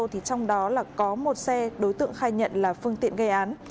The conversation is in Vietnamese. trong đó là có một xe đối tượng khai nhận là phương tiện gây án